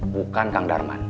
bukan kang darman